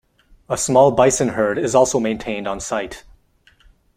A small bison herd is also maintained on-site.